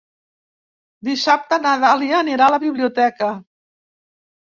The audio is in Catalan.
Dissabte na Dàlia anirà a la biblioteca.